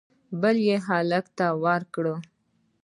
بل یې هلک ته ورکړ